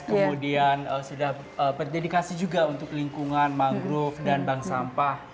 kemudian sudah berdedikasi juga untuk lingkungan mangrove dan bank sampah